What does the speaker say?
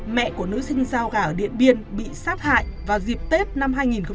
mẹ của nữ sinh giao gà ở điện biên bị sát hại vào dịp tết năm hai nghìn một mươi chín